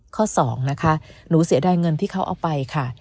ข้อ๒นะคะหนูเสียดายเงินที่เขาเอาไปค่ะ